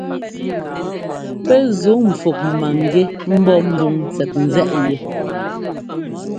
Pɛ́ ńzuŋ pfúk maŋgɛ́ ḿbɔ́ mbúŋ tsɛt nzɛ́ꞌ yɛ.